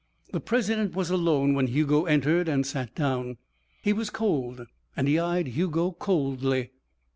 The president was alone when Hugo entered and sat down. He was cold and he eyed Hugo coldly.